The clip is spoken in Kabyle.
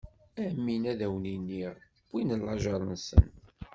Amin, ad wen-iniɣ: Wwin lajeṛ-nsen.